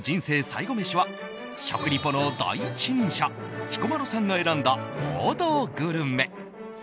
最後メシは食リポの第一人者彦摩呂さんが選んだ王道グルメ。